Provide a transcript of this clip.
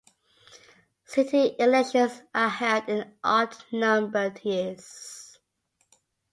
City elections are held in odd-numbered years.